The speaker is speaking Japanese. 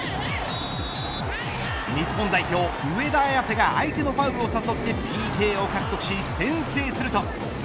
日本代表、上田綺世が相手のファウルを誘ってＰＫを獲得し先制すると。